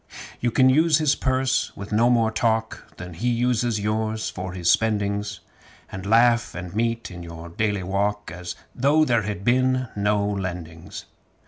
You can use his purse with no more shame Than he uses yours for his spendings; And laugh and mention it just the same As though there had been no lendings.